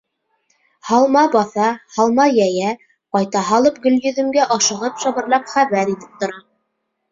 Һалма баҫа, һалма йәйә, ҡайта һалып, Гөлйөҙөмгә ашығып шыбырлап хәбәр итеп тора.